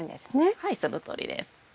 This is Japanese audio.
はいそのとおりです。